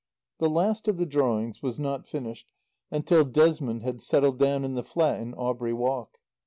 The last of the drawings was not finished until Desmond had settled down in the flat in Aubrey Walk.